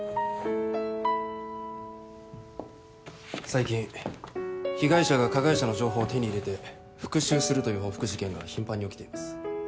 最近被害者が加害者の情報を手に入れて復讐するという報復事件が頻繁に起きています。